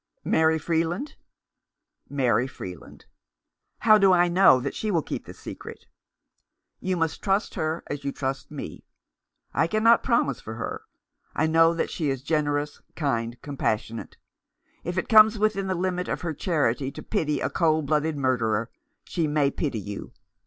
" Mary Freeland ?" "Mary Freeland." " How do I know that she will keep the secret ?"" You must trust her as you trust me. I cannot promise for her. I know that she is generous, kind, compassionate. If it comes within the limit of her charity to pity a cold blooded murderer, she may pity you.